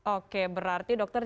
oke berarti dokter